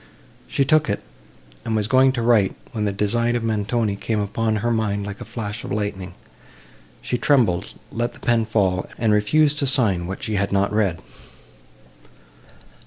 She took it, and was going to write—when the design of Montoni came upon her mind like a flash of lightning; she trembled, let the pen fall, and refused to sign what she had not read.